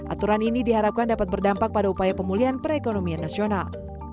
aturan ini diharapkan dapat berdampak pada upaya pemulihan perekonomian nasional